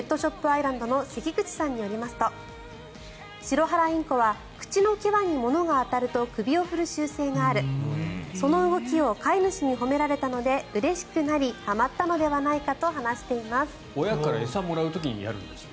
アイランドの関口さんによりますとシロハラインコは口の際に物が当たると首を振る習性があるその動きを飼い主に褒められたのでうれしくなりはまったのではないかと話しています。